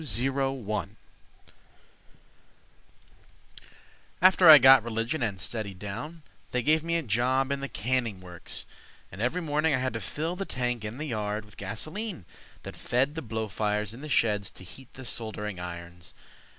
"Butch" Weldy After I got religion and steadied down They gave me a job in the canning works, And every morning I had to fill The tank in the yard with gasoline, That fed the blow fires in the sheds To heat the soldering irons.